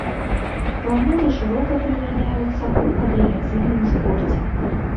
Планёры шырока прымяняюцца ў авіяцыйным спорце.